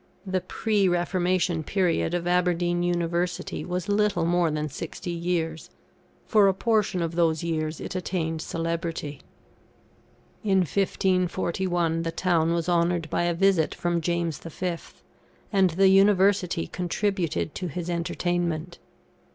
The pre Reformation period of Aberdeen University was little more than sixty years. For a portion of those years it attained celebrity. In 1541, the town was honoured by a visit from James V., and the University contributed to his entertainment.